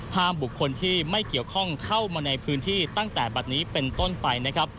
บุคคลที่ไม่เกี่ยวข้องเข้ามาในพื้นที่ตั้งแต่บัตรนี้เป็นต้นไปนะครับ